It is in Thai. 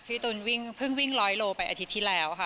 พี่ตุ๋นเพิ่งวิ่ง๑๐๐กิโลเมตรไปอาทิตย์ที่แล้วค่ะ